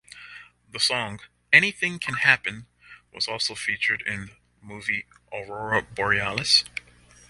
The song "Anything Can Happen" was also featured in movie "Aurora Borealis".